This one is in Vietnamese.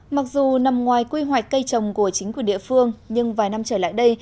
mặc dù nằm ngoài quy hoạch cây trồng của chính quyền địa phương nhưng vài năm trở lại đây